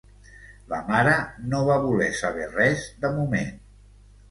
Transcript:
La mare no va voler saber res, de moment.